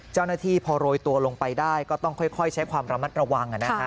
เจ้าหน้าที่พอโรยตัวลงไปได้ก็ต้องค่อยใช้ความระมัดระวัง